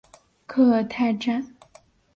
科尔泰站